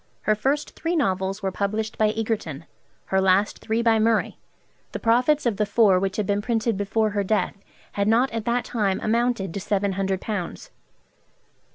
Her first three novels were published by Egerton, her last three by Murray. The profits of the four which had been printed before her death had not at that time amounted to seven hundred pounds.